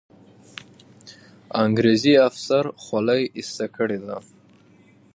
انګریزي افسر خولۍ ایسته کړې ده.